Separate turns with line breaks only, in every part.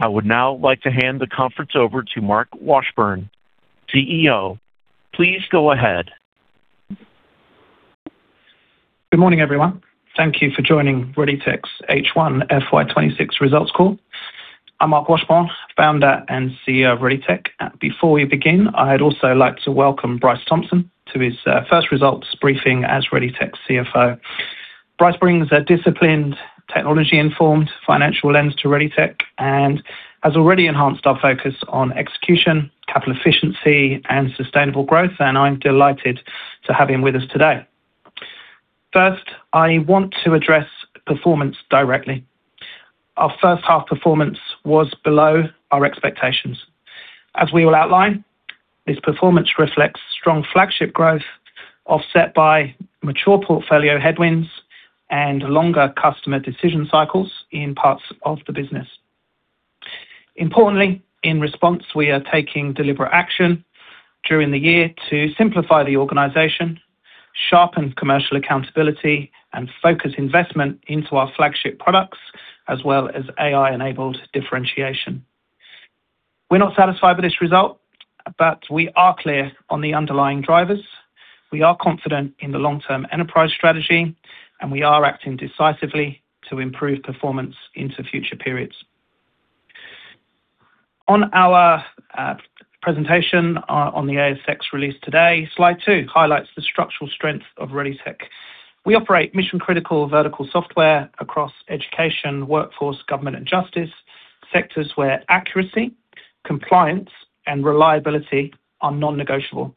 I would now like to hand the conference over to Marc Washbourne, CEO. Please go ahead.
Good morning, everyone. Thank you for joining ReadyTech's H1 FY 2026 Results Call. I'm Marc Washbourne, founder and CEO of ReadyTech. Before we begin, I'd also like to welcome Bryce Thompson to his first results briefing as ReadyTech's CFO. Bryce brings a disciplined, technology-informed financial lens to ReadyTech and has already enhanced our focus on execution, capital efficiency, and sustainable growth, and I'm delighted to have him with us today. First, I want to address performance directly. Our first half performance was below our expectations. As we will outline, this performance reflects strong flagship growth, offset by mature portfolio headwinds and longer customer decision cycles in parts of the business. Importantly, in response, we are taking deliberate action during the year to simplify the organization, sharpen commercial accountability, and focus investment into our flagship products, as well as AI-enabled differentiation. We're not satisfied with this result, but we are clear on the underlying drivers. We are confident in the long-term enterprise strategy, we are acting decisively to improve performance into future periods. On our presentation on the ASX release today, Slide 2 highlights the structural strength of ReadyTech. We operate mission-critical vertical software across education, workforce, government, and justice, sectors where accuracy, compliance, and reliability are non-negotiable.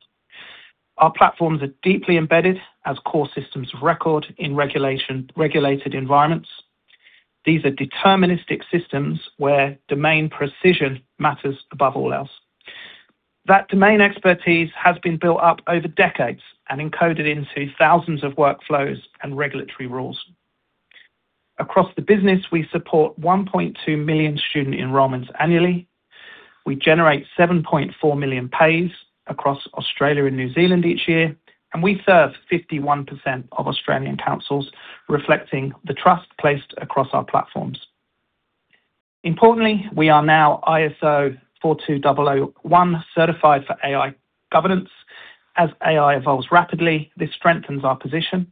Our platforms are deeply embedded as core systems of record in regulated environments. These are deterministic systems where domain precision matters above all else. That domain expertise has been built up over decades and encoded into thousands of workflows and regulatory rules. Across the business, we support 1.2 million student enrollments annually. We generate 7.4 million pays across Australia and New Zealand each year. We serve 51% of Australian councils, reflecting the trust placed across our platforms. Importantly, we are now ISO 42001 certified for AI governance. As AI evolves rapidly, this strengthens our position.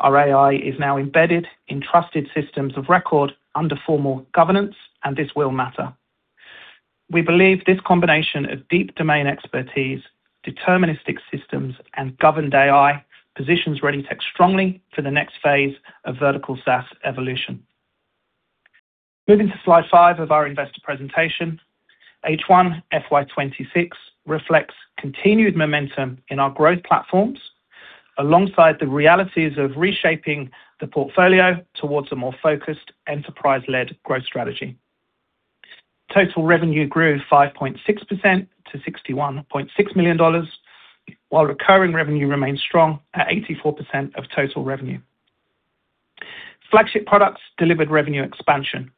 Our AI is now embedded in trusted systems of record under formal governance. This will matter. We believe this combination of deep domain expertise, deterministic systems, and governed AI positions ReadyTech strongly for the next phase of vertical SaaS evolution. Moving to Slide 5 of our investor presentation, H1 FY 2026 reflects continued momentum in our growth platforms, alongside the realities of reshaping the portfolio towards a more focused, enterprise-led growth strategy. Total revenue grew 5.6% to 61.6 million dollars, while recurring revenue remains strong at 84% of total revenue. Flagship products delivered revenue expansion,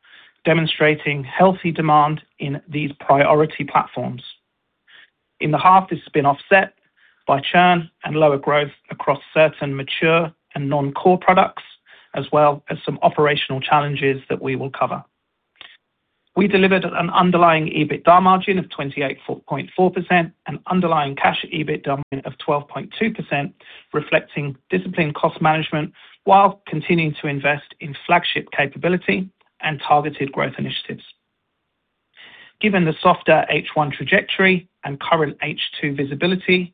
demonstrating healthy demand in these priority platforms. In the half, this has been offset by churn and lower growth across certain mature and non-core products, as well as some operational challenges that we will cover. We delivered an underlying EBITDA margin of 28.4% and underlying cash EBITDA margin of 12.2%, reflecting disciplined cost management while continuing to invest in flagship capability and targeted growth initiatives. Given the softer H1 trajectory and current H2 visibility,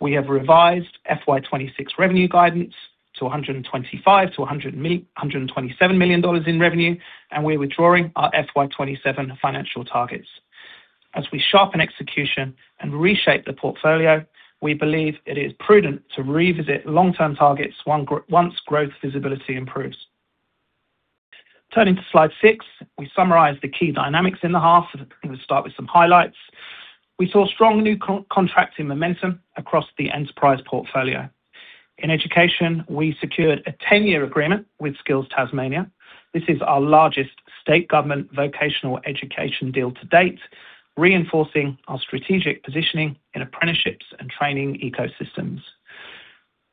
we have revised FY 2026 revenue guidance to 125 million-127 million dollars in revenue, and we're withdrawing our FY 2027 financial targets. As we sharpen execution and reshape the portfolio, we believe it is prudent to revisit long-term targets once growth visibility improves. Turning to Slide 6, we summarize the key dynamics in the half. Let's start with some highlights. We saw strong new contracts in momentum across the enterprise portfolio. In education, we secured a 10-year agreement with Skills Tasmania. This is our largest state government vocational education deal to date, reinforcing our strategic positioning in apprenticeships and training ecosystems.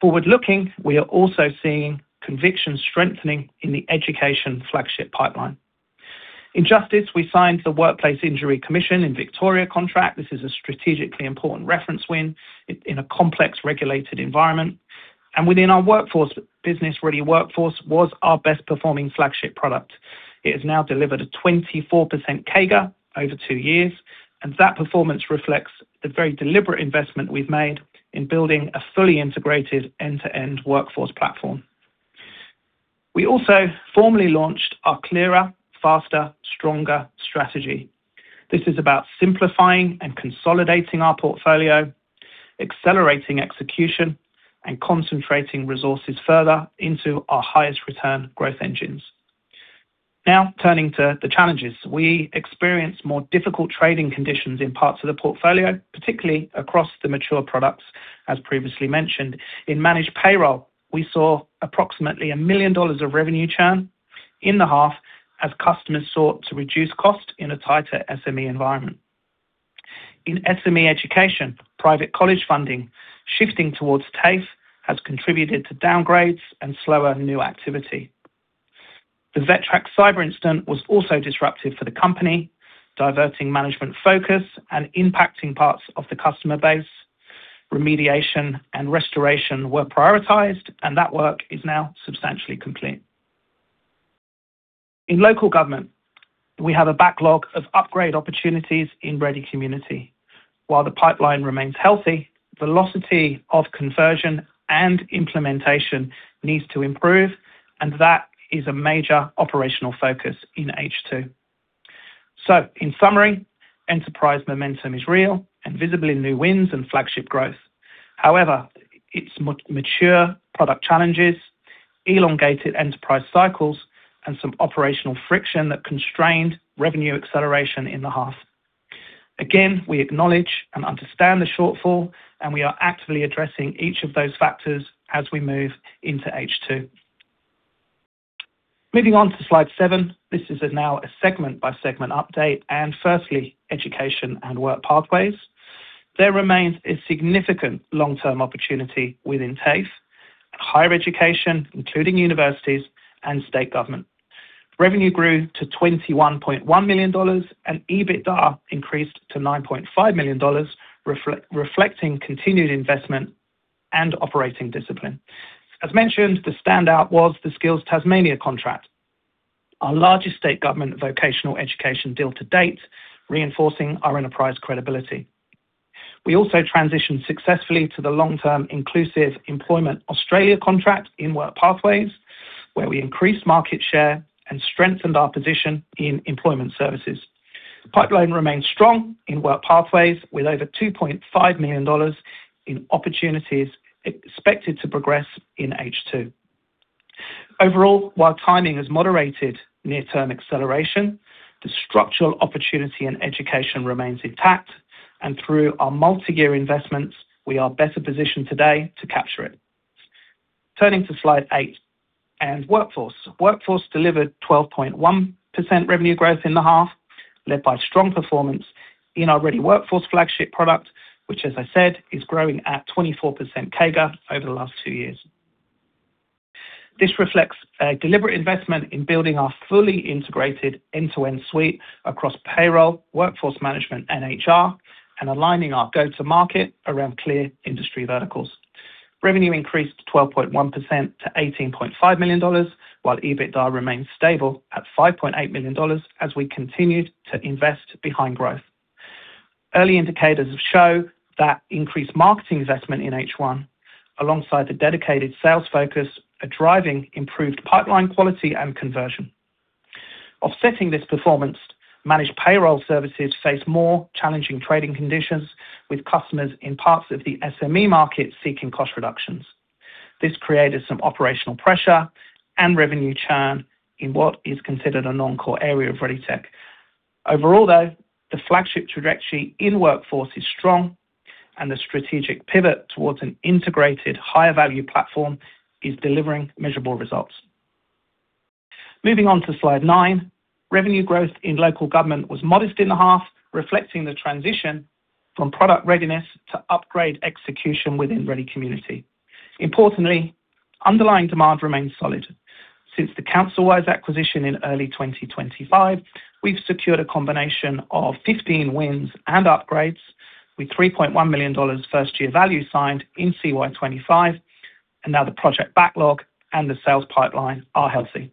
Forward-looking, we are also seeing conviction strengthening in the education flagship pipeline. In justice, we signed the Workplace Injury Commission in Victoria contract. This is a strategically important reference win in a complex, regulated environment. Within our workforce, Ready Workforce was our best-performing flagship product. It has now delivered a 24% CAGR over two years, and that performance reflects the very deliberate investment we've made in building a fully integrated end-to-end workforce platform. We also formally launched our clearer, faster, stronger strategy. This is about simplifying and consolidating our portfolio, accelerating execution, and concentrating resources further into our highest return growth engines. Turning to the challenges. We experienced more difficult trading conditions in parts of the portfolio, particularly across the mature products, as previously mentioned. In managed payroll, we saw approximately 1 million dollars of revenue churn in the half as customers sought to reduce cost in a tighter SME environment. In SME education, private college funding shifting towards TAFE has contributed to downgrades and slower new activity. The VETtrak cyber incident was also disruptive for the company, diverting management focus and impacting parts of the customer base. Remediation and restoration were prioritized, and that work is now substantially complete. In local government, we have a backlog of upgrade opportunities in Ready Community. While the pipeline remains healthy, velocity of conversion and implementation needs to improve, and that is a major operational focus in H2. In summary, enterprise momentum is real and visible in new wins and flagship growth. However, it's mature product challenges, elongated enterprise cycles, and some operational friction that constrained revenue acceleration in the half. Again, we acknowledge and understand the shortfall, and we are actively addressing each of those factors as we move into H2. Moving on to Slide 7. This is now a segment-by-segment update and firstly, education and Work Pathways. There remains a significant long-term opportunity within TAFE and higher education, including universities and state government. Revenue grew to 21.1 million dollars, and EBITDA increased to 9.5 million dollars, reflecting continued investment and operating discipline. As mentioned, the standout was the Skills Tasmania contract, our largest state government vocational education deal to date, reinforcing our enterprise credibility. We also transitioned successfully to the long-term Inclusive Employment Australia contract in Work Pathways, where we increased market share and strengthened our position in employment services. The pipeline remains strong in Work Pathways, with over 2.5 million dollars in opportunities expected to progress in H2. Overall, while timing has moderated near-term acceleration, the structural opportunity in education remains intact, and through our multi-year investments, we are better positioned today to capture it. Turning to Slide 8 and Workforce. Workforce delivered 12.1% revenue growth in the half, led by strong performance in our Ready Workforce flagship product, which, as I said, is growing at 24% CAGR over the last two years. This reflects a deliberate investment in building our fully integrated end-to-end suite across payroll, workforce management, and HR, and aligning our go-to-market around clear industry verticals. Revenue increased 12.1% to 18.5 million dollars, while EBITDA remains stable at 5.8 million dollars as we continued to invest behind growth. Early indicators show that increased marketing investment in H1, alongside the dedicated sales focus, are driving improved pipeline quality and conversion. Offsetting this performance, managed payroll services face more challenging trading conditions with customers in parts of the SME market seeking cost reductions. This created some operational pressure and revenue churn in what is considered a non-core area of ReadyTech. Overall, though, the flagship trajectory in Workforce is strong, and the strategic pivot towards an integrated higher value platform is delivering measurable results. Moving on to Slide 9. Revenue growth in local government was modest in the half, reflecting the transition from product readiness to upgrade execution within Ready Community. Underlying demand remains solid. Since the CouncilWise acquisition in early 2025, we've secured a combination of 15 wins and upgrades, with 3.1 million dollars first year value signed in CY 2025. Now the project backlog and the sales pipeline are healthy.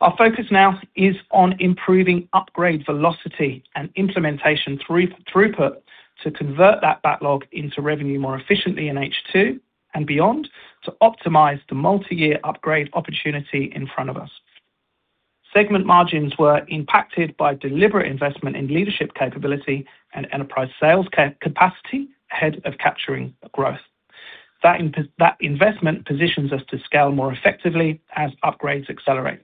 Our focus now is on improving upgrade velocity and implementation throughput to convert that backlog into revenue more efficiently in H2 and beyond, to optimize the multi-year upgrade opportunity in front of us. Segment margins were impacted by deliberate investment in leadership capability and enterprise sales capacity ahead of capturing growth. That investment positions us to scale more effectively as upgrades accelerate.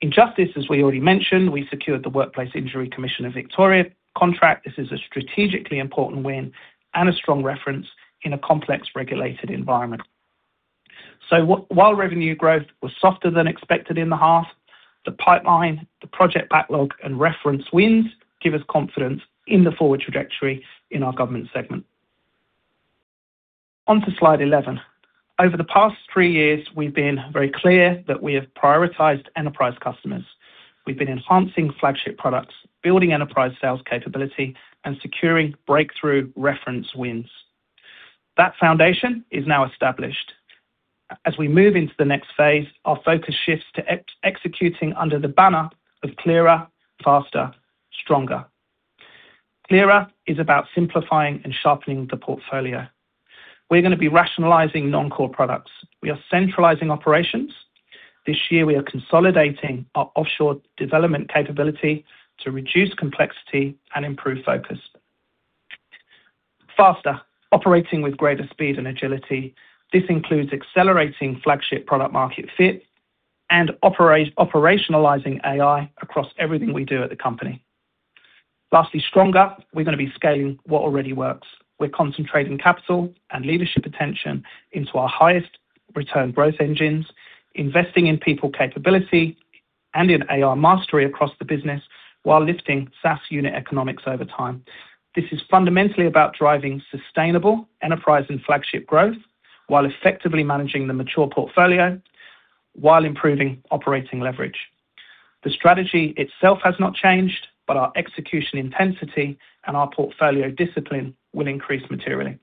In justice, as we already mentioned, we secured the Workplace Injury Commission Victoria contract. This is a strategically important win and a strong reference in a complex, regulated environment. While revenue growth was softer than expected in the half, the pipeline, the project backlog and reference wins give us confidence in the forward trajectory in our government segment. On to Slide 11. Over the past three years, we've been very clear that we have prioritized enterprise customers. We've been enhancing flagship products, building enterprise sales capability, and securing breakthrough reference wins. That foundation is now established. As we move into the next phase, our focus shifts to executing under the banner of Clearer, Faster, Stronger. Clearer is about simplifying and sharpening the portfolio. We're going to be rationalizing non-core products. We are centralizing operations. This year, we are consolidating our offshore development capability to reduce complexity and improve focus. Faster, operating with greater speed and agility. This includes accelerating flagship product market fit and operationalizing AI across everything we do at the company. Stronger. We're going to be scaling what already works. We're concentrating capital and leadership attention into our highest return growth engines, investing in people capability and in AI mastery across the business, while lifting SaaS unit economics over time. This is fundamentally about driving sustainable enterprise and flagship growth, while effectively managing the mature portfolio, while improving operating leverage. The strategy itself has not changed, our execution intensity and our portfolio discipline will increase materially.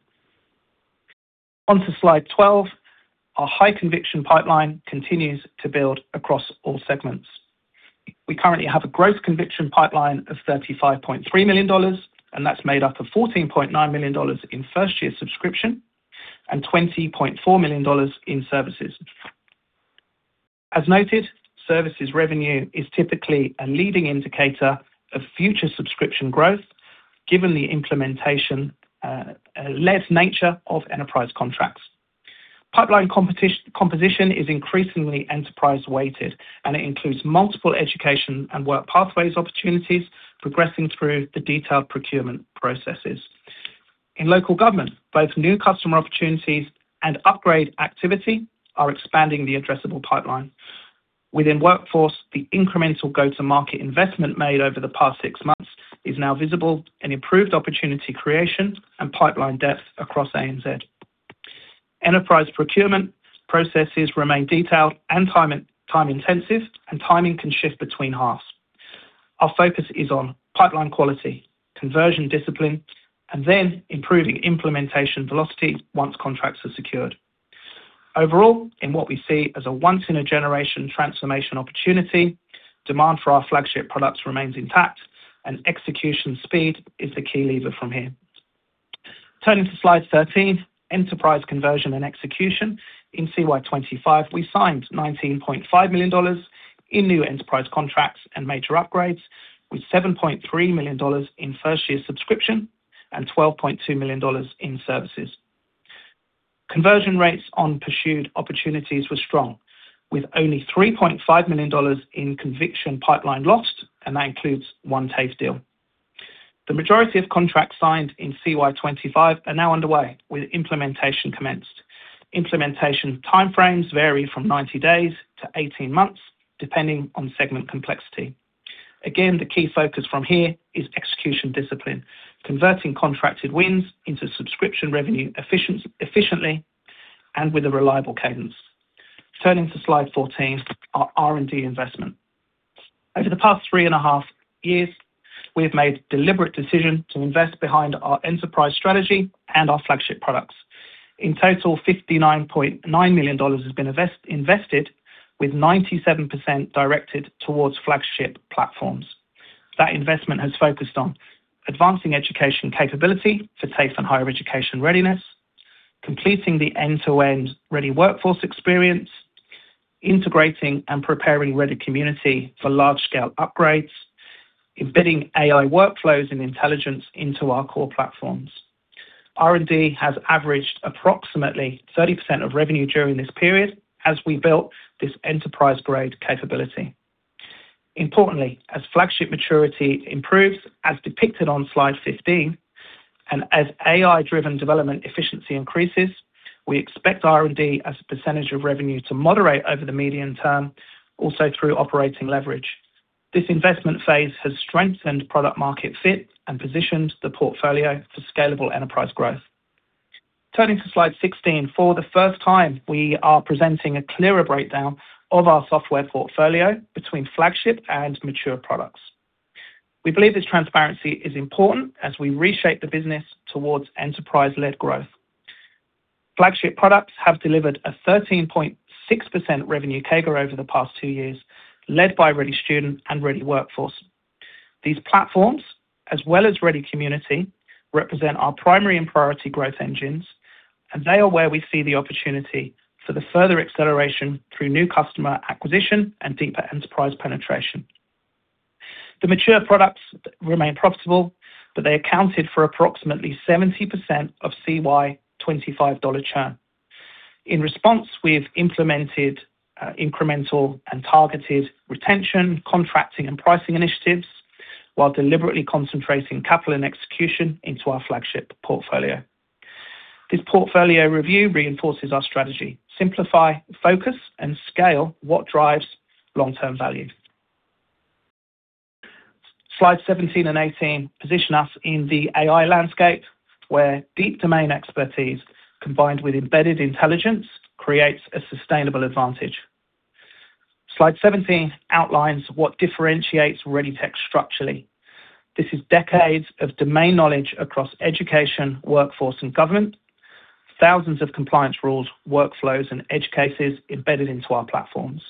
On to Slide 12. Our high conviction pipeline continues to build across all segments. We currently have a growth conviction pipeline of 35.3 million dollars, that's made up of 14.9 million dollars in first-year subscription and 20.4 million dollars in services. As noted, services revenue is typically a leading indicator of future subscription growth, given the implementation-led nature of enterprise contracts. Pipeline composition is increasingly enterprise-weighted, it includes multiple education and Work Pathways opportunities progressing through the detailed procurement processes. In local government, both new customer opportunities and upgrade activity are expanding the addressable pipeline. Within Workforce, the incremental go-to-market investment made over the past six months is now visible in improved opportunity creation and pipeline depth across ANZ. Enterprise procurement processes remain detailed and time-intensive. Timing can shift between halves. Our focus is on pipeline quality, conversion discipline, and then improving implementation velocity once contracts are secured. Overall, in what we see as a once-in-a-generation transformation opportunity, demand for our flagship products remains intact and execution speed is the key lever from here. Turning to Slide 13, enterprise conversion and execution. In CY 2025, we signed 19.5 million dollars in new enterprise contracts and major upgrades, with 7.3 million dollars in first-year subscription and 12.2 million dollars in services. Conversion rates on pursued opportunities were strong, with only 3.5 million dollars in conviction pipeline lost, and that includes one TAFE deal. The majority of contracts signed in CY 2025 are now underway, with implementation commenced. Implementation time frames vary from 90 days to 18 months, depending on segment complexity. Again, the key focus from here is execution discipline, converting contracted wins into subscription revenue efficiently, and with a reliable cadence. Turning to Slide 14, our R&D investment. Over the past three and a half years, we have made a deliberate decision to invest behind our enterprise strategy and our flagship products. In total, 59.9 million dollars has been invested, with 97% directed towards flagship platforms. That investment has focused on advancing education capability for TAFE and higher education readiness, completing the end-to-end Ready Workforce experience, integrating and preparing Ready Community for large-scale upgrades, embedding AI workflows and intelligence into our core platforms. R&D has averaged approximately 30% of revenue during this period as we built this enterprise-grade capability. Importantly, as flagship maturity improves, as depicted on Slide 15, and as AI-driven development efficiency increases, we expect R&D as a percentage of revenue to moderate over the medium term, also through operating leverage. This investment phase has strengthened product market fit and positioned the portfolio for scalable enterprise growth. Turning to Slide 16, for the first time, we are presenting a clearer breakdown of our software portfolio between flagship and mature products. We believe this transparency is important as we reshape the business towards enterprise-led growth. Flagship products have delivered a 13.6% revenue CAGR over the past two years, led by Ready Student and Ready Workforce. These platforms, as well as Ready Community, represent our primary and priority growth engines, and they are where we see the opportunity for the further acceleration through new customer acquisition and deeper enterprise penetration. The mature products remain profitable, but they accounted for approximately 70% of CY 2025 dollar churn. In response, we've implemented incremental and targeted retention, contracting, and pricing initiatives, while deliberately concentrating capital and execution into our flagship portfolio. This portfolio review reinforces our strategy: simplify, focus, and scale what drives long-term value. Slide 17 and 18 position us in the AI landscape, where deep domain expertise combined with embedded intelligence creates a sustainable advantage. Slide 17 outlines what differentiates ReadyTech structurally. This is decades of domain knowledge across education, workforce, and government, thousands of compliance rules, workflows, and edge cases embedded into our platforms.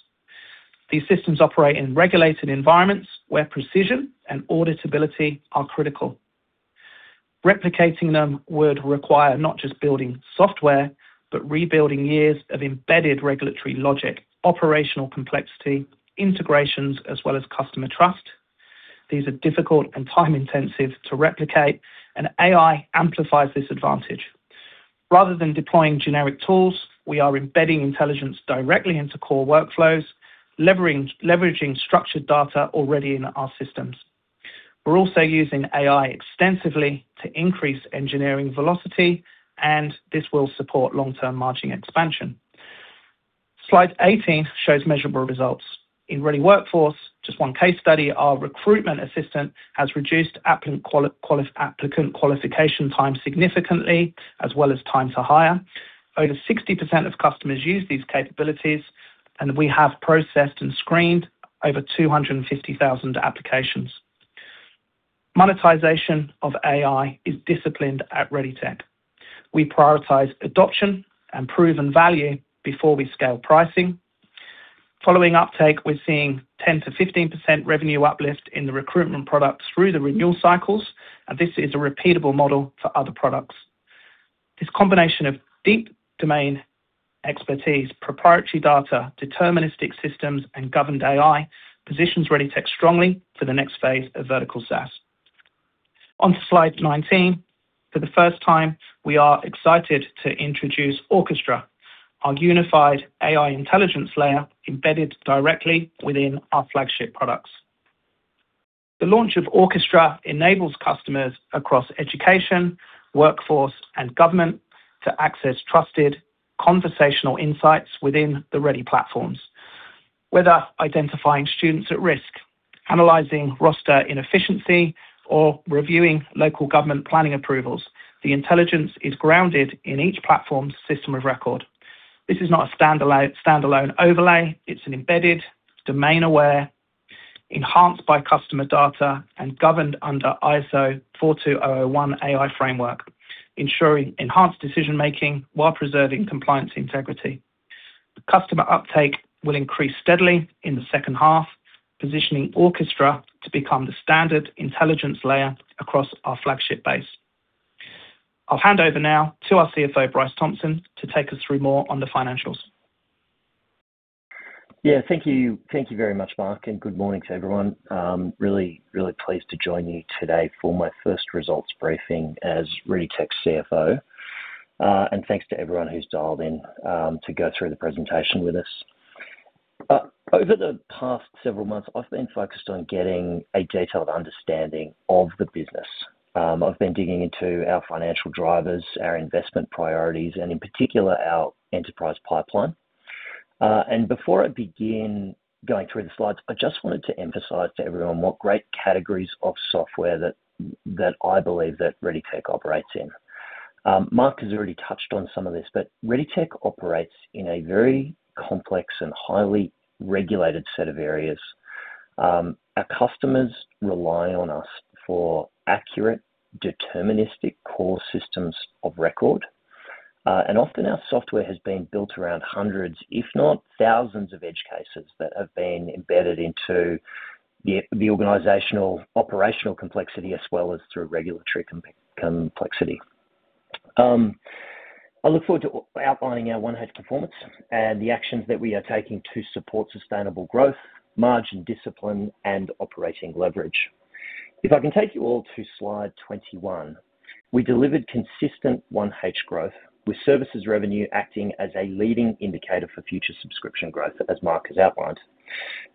These systems operate in regulated environments where precision and auditability are critical. Replicating them would require not just building software, but rebuilding years of embedded regulatory logic, operational complexity, integrations, as well as customer trust. These are difficult and time-intensive to replicate. AI amplifies this advantage. Rather than deploying generic tools, we are embedding intelligence directly into core workflows, leveraging structured data already in our systems. We're also using AI extensively to increase engineering velocity. This will support long-term margin expansion. Slide 18 shows measurable results. In Ready Workforce, just one case study, our recruitment assistant has reduced applicant qualification time significantly, as well as time to hire. Over 60% of customers use these capabilities, we have processed and screened over 250,000 applications. Monetization of AI is disciplined at ReadyTech. We prioritize adoption and proven value before we scale pricing. Following uptake, we're seeing 10%-15% revenue uplift in the recruitment products through the renewal cycles, this is a repeatable model for other products. This combination of deep domain expertise, proprietary data, deterministic systems, and governed AI, positions ReadyTech strongly for the next phase of vertical SaaS. On to Slide 19. For the first time, we are excited to introduce Orchestra, our unified AI intelligence layer, embedded directly within our flagship products. The launch of Orchestra enables customers across education, workforce, and government to access trusted conversational insights within the Ready platforms. Whether identifying students at risk, analyzing roster inefficiency, or reviewing local government planning approvals, the intelligence is grounded in each platform's system of record. This is not a standalone overlay. It's an embedded, domain aware, enhanced by customer data, and governed under ISO 42001 AI framework, ensuring enhanced decision making while preserving compliance integrity. The customer uptake will increase steadily in the second half, positioning Orchestra to become the standard intelligence layer across our flagship base. I'll hand over now to our CFO, Bryce Thompson, to take us through more on the financials.
Yeah, thank you. Thank you very much, Marc. Good morning to everyone. Really pleased to join you today for my first results briefing as ReadyTech's CFO. Thanks to everyone who's dialed in to go through the presentation with us. Over the past several months, I've been focused on getting a detailed understanding of the business. I've been digging into our financial drivers, our investment priorities, and in particular, our enterprise pipeline. Before I begin going through the slides, I just wanted to emphasize to everyone what great categories of software that I believe that ReadyTech operates in. Marc has already touched on some of this. ReadyTech operates in a very complex and highly regulated set of areas. Our customers rely on us for accurate, deterministic core systems of record. Often our software has been built around hundreds, if not thousands, of edge cases that have been embedded into the organizational operational complexity as well as through regulatory complexity. I look forward to outlining our 1H performance and the actions that we are taking to support sustainable growth, margin discipline, and operating leverage. If I can take you all to Slide 21, we delivered consistent 1H growth, with services revenue acting as a leading indicator for future subscription growth, as Marc has outlined.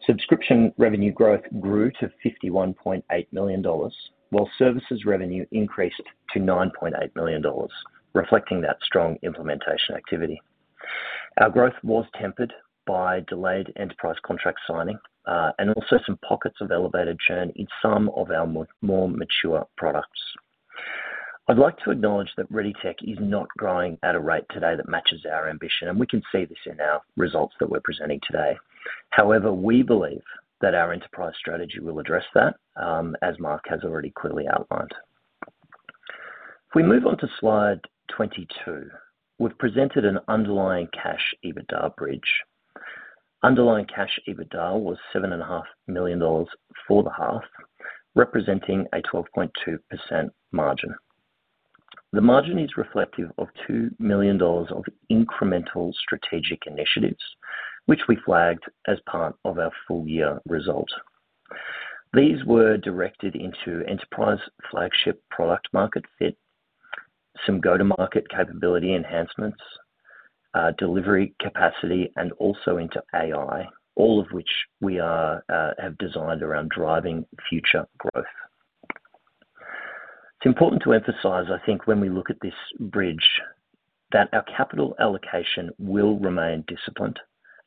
Subscription revenue growth grew to 51.8 million dollars, while services revenue increased to 9.8 million dollars, reflecting that strong implementation activity. Our growth was tempered by delayed enterprise contract signing, also some pockets of elevated churn in some of our more mature products. I'd like to acknowledge that ReadyTech is not growing at a rate today that matches our ambition, and we can see this in our results that we're presenting today. However, we believe that our enterprise strategy will address that, as Marc has already clearly outlined. If we move on to Slide 22, we've presented an underlying cash EBITDA bridge. Underlying cash EBITDA was seven and a half million dollars for the half, representing a 12.2% margin. The margin is reflective of 2 million dollars of incremental strategic initiatives, which we flagged as part of our full year results. These were directed into enterprise flagship product market fit, some go-to-market capability enhancements, delivery capacity, and also into AI, all of which we have designed around driving future growth. It's important to emphasize, I think, when we look at this bridge, that our capital allocation will remain disciplined,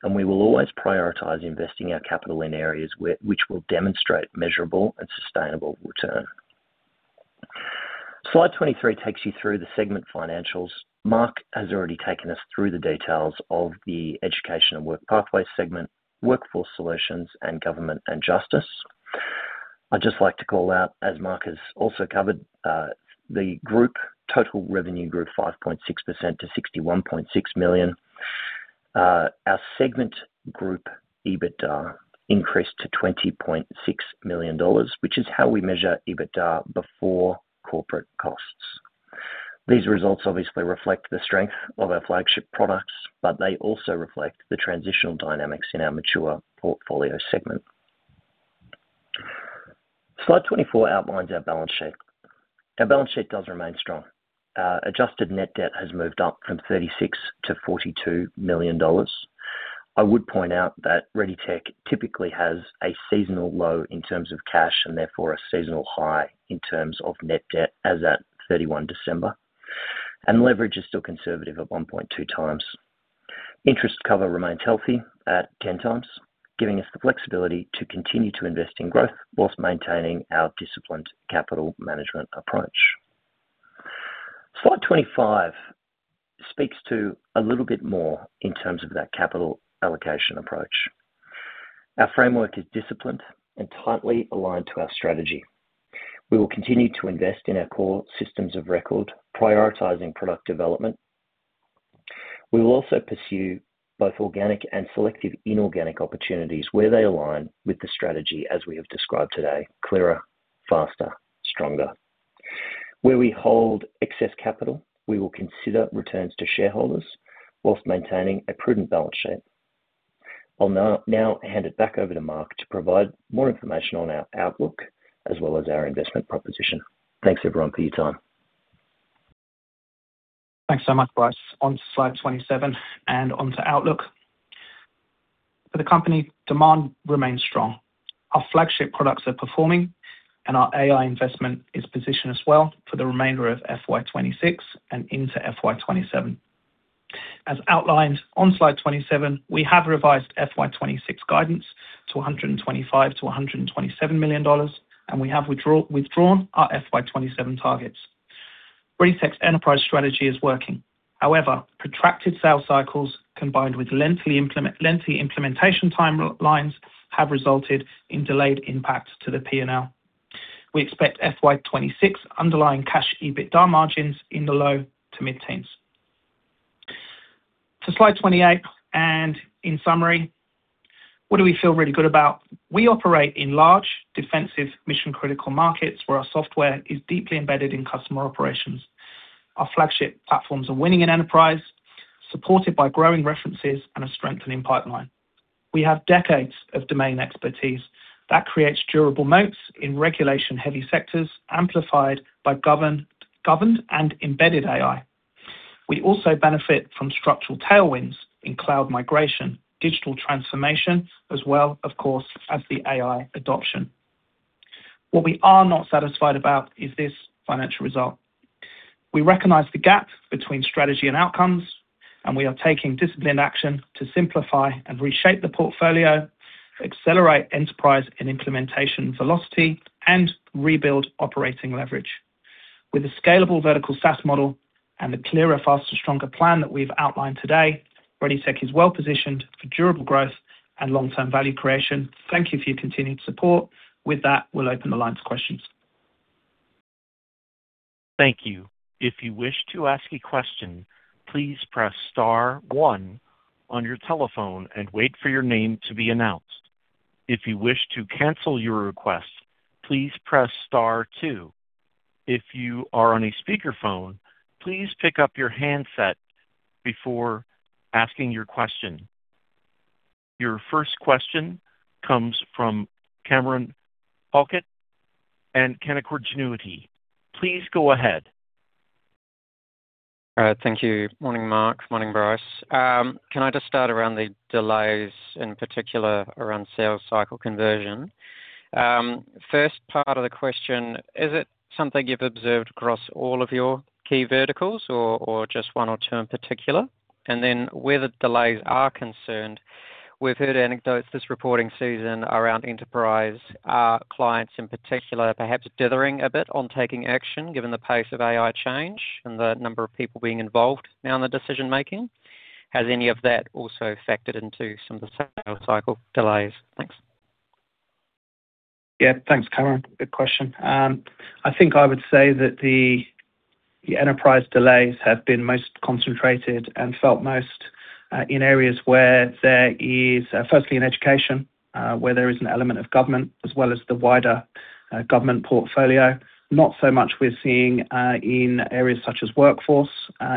and we will always prioritize investing our capital in areas which will demonstrate measurable and sustainable return. Slide 23 takes you through the segment financials. Marc has already taken us through the details of the educational Work Pathways segment, workforce solutions, and government and justice. I'd just like to call out, as Marc has also covered, the group total revenue grew 5.6% to 61.6 million. Our segment group, EBITDA, increased to 20.6 million dollars, which is how we measure EBITDA before corporate costs. These results obviously reflect the strength of our flagship products, they also reflect the transitional dynamics in our mature portfolio segment. Slide 24 outlines our balance sheet. Our balance sheet does remain strong. Adjusted net debt has moved up from 36 million-42 million dollars. I would point out that ReadyTech typically has a seasonal low in terms of cash and therefore a seasonal high in terms of net debt as at 31 December. Leverage is still conservative at 1.2x. Interest cover remains healthy at 10x, giving us the flexibility to continue to invest in growth while maintaining our disciplined capital management approach. Slide 25 speaks to a little bit more in terms of that capital allocation approach. Our framework is disciplined and tightly aligned to our strategy. We will continue to invest in our core systems of record, prioritizing product development. We will also pursue both organic and selective inorganic opportunities where they align with the strategy as we have described today, Clearer, Faster, Stronger. Where we hold excess capital, we will consider returns to shareholders while maintaining a prudent balance sheet. I'll now hand it back over to Marc to provide more information on our outlook as well as our investment proposition. Thanks everyone for your time.
Thanks so much, Bryce. On Slide 27 and onto outlook. For the company, demand remains strong. Our flagship products are performing, and our AI investment is positioned as well for the remainder of FY 2026 and into FY 2027. As outlined on Slide 27, we have revised FY 2026 guidance to 125 million-127 million dollars, and we have withdrawn our FY 2027 targets. ReadyTech's enterprise strategy is working. However, protracted sales cycles, combined with lengthy implementation timelines, have resulted in delayed impact to the P&L. We expect FY 2026 underlying cash EBITDA margins in the low to mid-teens. To Slide 28, and in summary, what do we feel really good about? We operate in large, defensive, mission-critical markets where our software is deeply embedded in customer operations. Our flagship platforms are winning in enterprise, supported by growing references and a strengthening pipeline. We have decades of domain expertise that creates durable moats in regulation-heavy sectors, amplified by governed and embedded AI. We also benefit from structural tailwinds in cloud migration, digital transformation, as well as, of course, the AI adoption. What we are not satisfied about is this financial result. We recognize the gap between strategy and outcomes. We are taking disciplined action to simplify and reshape the portfolio, accelerate enterprise and implementation velocity, and rebuild operating leverage. With a scalable vertical SaaS model and the clearer, faster, stronger plan that we've outlined today, ReadyTech is well positioned for durable growth and long-term value creation. Thank you for your continued support. We'll open the line to questions.
Thank you. If you wish to ask a question, please press star one on your telephone and wait for your name to be announced. If you wish to cancel your request, please press star two. If you are on a speakerphone, please pick up your handset before asking your question. Your first question comes from Cameron Halkett and Canaccord Genuity. Please go ahead.
All right. Thank you. Morning, Marc. Morning, Bryce. Can I just start around the delays, in particular, around sales cycle conversion? First part of the question, is it something you've observed across all of your key verticals or just one or two in particular? Where the delays are concerned, we've heard anecdotes this reporting season around enterprise, clients in particular, perhaps dithering a bit on taking action, given the pace of AI change and the number of people being involved now in the decision-making. Has any of that also factored into some of the sales cycle delays? Thanks.
Thanks, Cameron. Good question. I think I would say that the enterprise delays have been most concentrated and felt most in areas where there is, firstly, in education, where there is an element of government as well as the wider government portfolio. Not so much we're seeing in areas such as workforce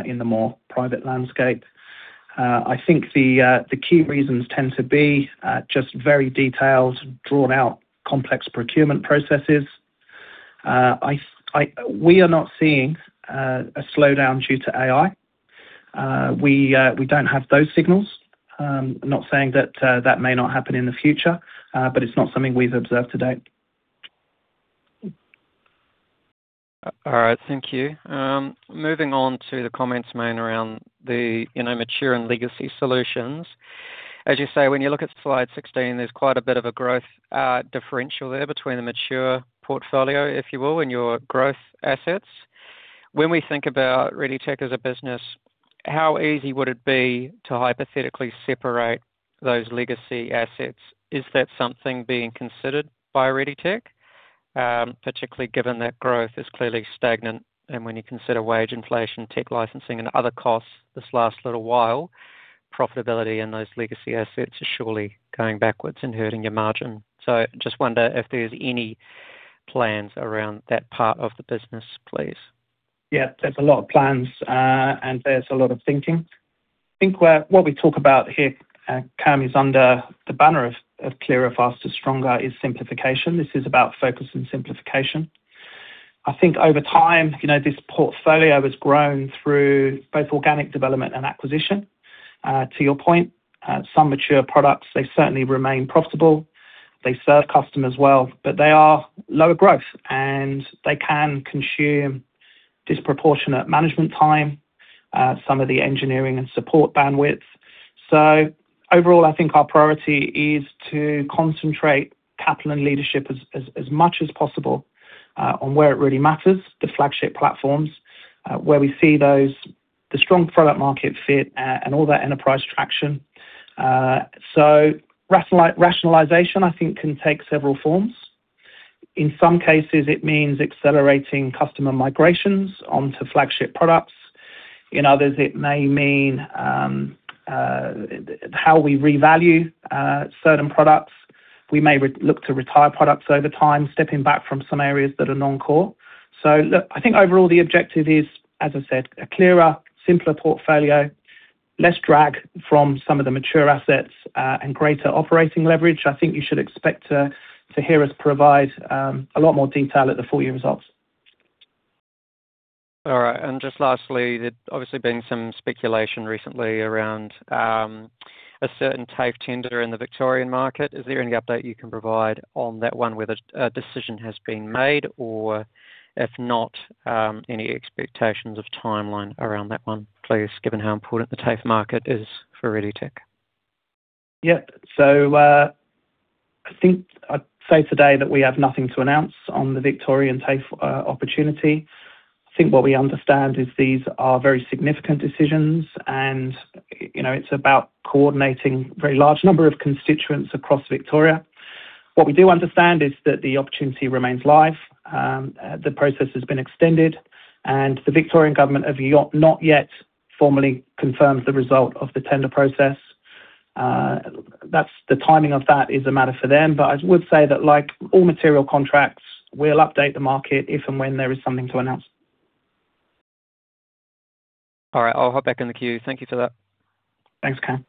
in the more private landscape. I think the key reasons tend to be just very detailed, drawn-out, complex procurement processes. We are not seeing a slowdown due to AI. We don't have those signals. Not saying that that may not happen in the future, but it's not something we've observed to date.
All right. Thank you. Moving on to the comments made around the, you know, mature and legacy solutions. As you say, when you look at Slide 16, there's quite a bit of a growth differential there between the mature portfolio, if you will, and your growth assets. When we think about ReadyTech as a business, how easy would it be to hypothetically separate those legacy assets? Is that something being considered by ReadyTech? Particularly given that growth is clearly stagnant, and when you consider wage inflation, tech licensing, and other costs, this last little while, profitability in those legacy assets is surely going backwards and hurting your margin. Just wonder if there's any plans around that part of the business, please.
Yeah, there's a lot of plans, and there's a lot of thinking. I think what we talk about here, Cam, is under the banner of Clearer, Faster, Stronger is simplification. This is about focus and simplification. I think over time, you know, this portfolio has grown through both organic development and acquisition. To your point, some mature products, they certainly remain profitable. They serve customers well, but they are lower growth, and they can consume disproportionate management time, some of the engineering and support bandwidth. Overall, I think our priority is to concentrate capital and leadership as much as possible, on where it really matters, the flagship platforms, where we see those, the strong product market fit, and all that enterprise traction. Rationalization, I think, can take several forms. In some cases, it means accelerating customer migrations onto flagship products. In others, it may mean how we revalue certain products. We may look to retire products over time, stepping back from some areas that are non-core. Look, I think overall the objective is, as I said, a clearer, simpler portfolio, less drag from some of the mature assets, and greater operating leverage. I think you should expect to hear us provide a lot more detail at the full year results.
All right. Just lastly, there's obviously been some speculation recently around a certain TAFE tender in the Victorian market. Is there any update you can provide on that one, whether a decision has been made, or if not, any expectations of timeline around that one, please, given how important the TAFE market is for EduTech?
I think I'd say today that we have nothing to announce on the Victorian TAFE opportunity. I think what we understand is these are very significant decisions, and, you know, it's about coordinating a very large number of constituents across Victoria. What we do understand is that the opportunity remains live, the process has been extended, and the Victorian government have not yet formally confirmed the result of the tender process. That's the timing of that is a matter for them, but I would say that, like all material contracts, we'll update the market if and when there is something to announce.
All right. I'll hop back in the queue. Thank you for that.
Thanks, Ken.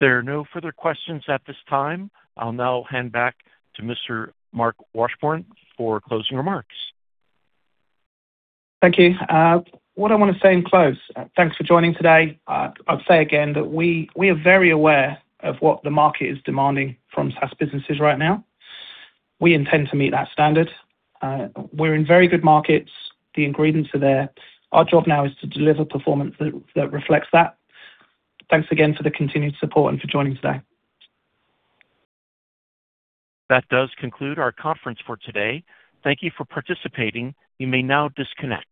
There are no further questions at this time. I'll now hand back to Mr. Marc Washbourne for closing remarks.
Thank you. What I wanna say in close, thanks for joining today. I'd say again that we are very aware of what the market is demanding from SaaS businesses right now. We intend to meet that standard. We're in very good markets. The ingredients are there. Our job now is to deliver performance that reflects that. Thanks again for the continued support and for joining today.
That does conclude our conference for today. Thank you for participating. You may now disconnect.